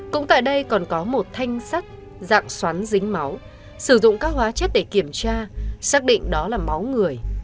cũng tại đây còn có một thanh sắt dạng xoắn dính máu sử dụng các hóa chất để kiểm tra xác định đó là máu người